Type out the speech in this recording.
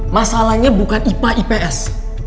masalahnya bukan ipa ips